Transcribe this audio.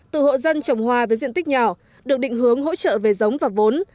từ hộ dân trồng hoa với diện tích nhỏ được định hướng hỗ trợ về giống và vốn